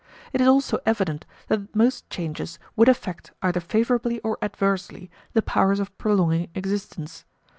It is also evident that most changes would affect, either favourably or adversely, the powers of prolonging existence.